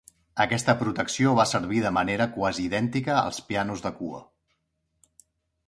Aquesta protecció va servir de manera quasi idèntica als pianos de cua.